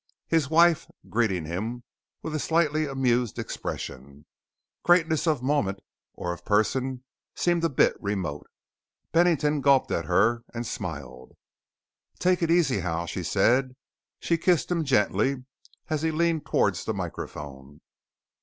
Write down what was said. His wife, greeting him with a slightly amused expression. Greatness, of moment or of person seemed a bit remote. Bennington gulped at her and smiled. "Take it easy Hal," she said. She kissed him gently as he leaned towards the microphone.